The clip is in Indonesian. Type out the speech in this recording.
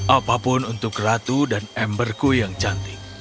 apapun untuk ratu dan emberku yang cantik